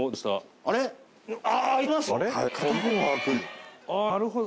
あぁなるほど。